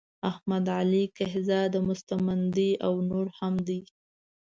احمد علی کهزاد مستمندي او نور هم دي.